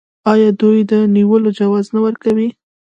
آیا دوی د نیولو جواز نه ورکوي؟